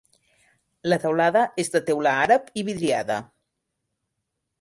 La teulada és de teula àrab i vidriada.